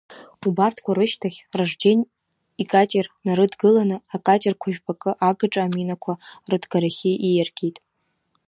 Убарҭқәа рышьҭахь Ражден икатер нарыдкыланы акатерқәа жәпакы агаҿа аминақәа рыҭгарахьы ииаргеит.